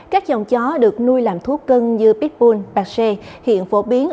các dòng chó được nuôi làm thuốc cân như pitbull baxe hiện phổ biến